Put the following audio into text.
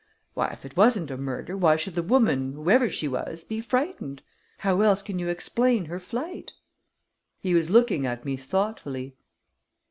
If it wasn't a murder, why should the woman, whoever she was, be frightened? How else can you explain her flight?" He was looking at me thoughtfully.